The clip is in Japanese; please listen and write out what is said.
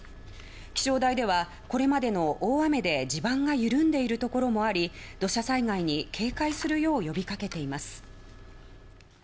気象台ではこれまでの大雨で地盤が緩んでいるところもあり土砂災害に警戒するよう呼びかけています。